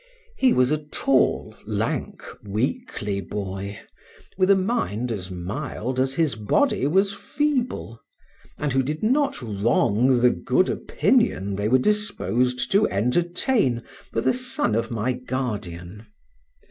He was a tall, lank, weakly boy, with a mind as mild as his body was feeble, and who did not wrong the good opinion they were disposed to entertain for the son of my guardian.